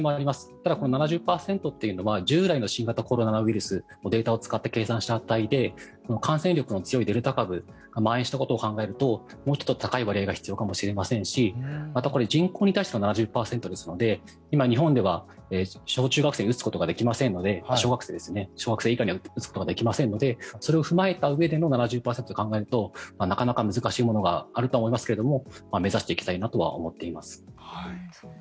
ただ、７０％というのは従来の新型コロナウイルスのデータを使って計算した値で感染力の強いデルタ株がまん延したことを考えるともうちょっと高い割合が必要かもしれませんしまた、人口に対しての７０％ですので今、日本では小学生以下は打つことができませんのでそれを踏まえたうえでの７０％と考えるとなかなか難しいものがあるとは思いますが目指していきたいなとは思っています。